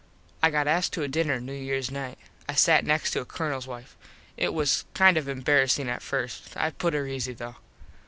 I got asked to a dinner New Years night. I sat next to a Colonels wife. It was kind of embarassing at first. I put her easy though.